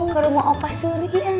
ke rumah opa suri ya